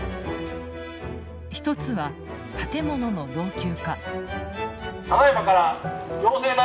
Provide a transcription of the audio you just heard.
一つは建物の老朽化。